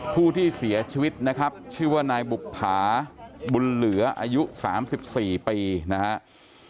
ผู้ที่เสียชีวิตนะครับชื่อว่านายบุภาบุญเหลืออายุ๓๔ปีนะครับ